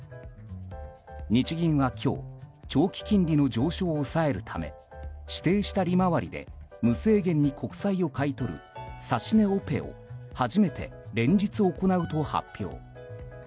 日銀は今日、長期金利の上昇を抑えるため指定した利回りで無制限に国債を買い取る指し値オペを初めて連日行うと発表。